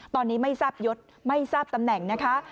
ตอนนี้ไม่ทราบยศไม่ทราบตำแหน่งนะคะ